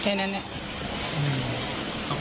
เขาบอกว่าเงียบเหรอครับ